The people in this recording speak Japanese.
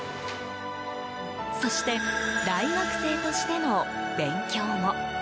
そして、大学生としての勉強も。